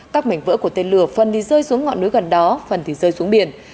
các mảnh vỡ của tên lửa phần đi rơi xuống ngọn núi gần đó phần thì rơi xuống biển